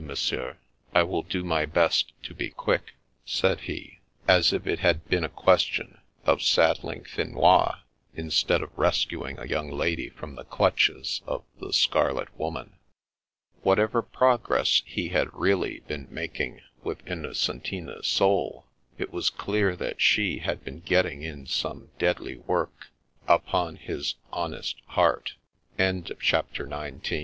Monsieur, I will do my best to be quick," said he, as if it had been a question of saddling Finois, instead of rescu ^ ing a young lady from the clutches of the Scarlet Woman. Whatever progress he had really been making with Innocentina's soul, it was clear that she had been getting in some deadly wor